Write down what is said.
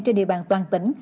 trên địa bàn toàn tỉnh